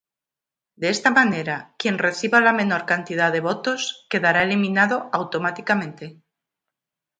De esta manera, quien reciba la menor cantidad de votos, quedará eliminado automáticamente.